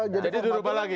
jadi diubah lagi